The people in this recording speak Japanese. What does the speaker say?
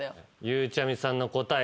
ゆうちゃみさんの答え